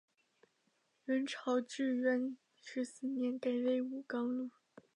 元朝至元十四年改为武冈路。